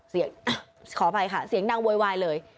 ขออภัยค่ะเสียงดังโวยวายเลย